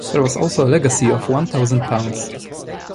There was also a legacy of one thousand pounds.